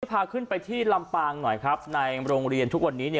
พาขึ้นไปที่ลำปางหน่อยครับในโรงเรียนทุกวันนี้